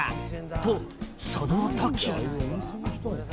と、その時。